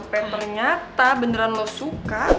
sampai ternyata beneran lu suka